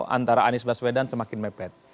antara anies baswedan semakin mepet